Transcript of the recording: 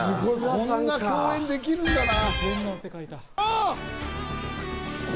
こんな共演できるんだな。